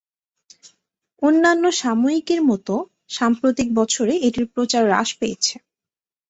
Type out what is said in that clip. অন্যান্য সাময়িকীর মতো, সাম্প্রতিক বছরে এটির প্রচার হ্রাস পেয়েছে।